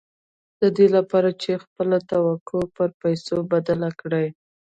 د دې لپاره چې خپله توقع پر پيسو بدله کړئ.